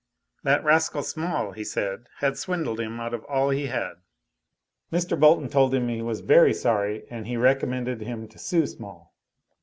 That rascal, Small, he said, had swindled him out of all he had. Mr. Bolton told him he was very sorry, and recommended him to sue Small.